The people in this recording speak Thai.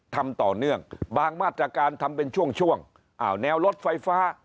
ทำต่อเนื่องบางมาตรการทำเป็นช่วงช่วงอ้าวแนวรถไฟฟ้า